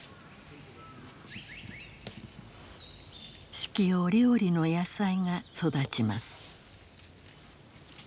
四季折々の野菜が育ちます。